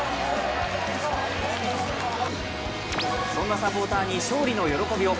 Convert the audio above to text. そんなサポーターに勝利の喜びを。